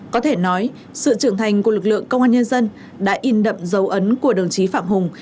có thể nói sự trưởng thành của lực lượng công an nhân dân đã in đậm dấu ấn của đồng chí phạm hùng